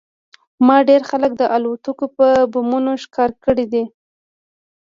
ما ډېر خلک د الوتکو په بمونو ښکار کړي دي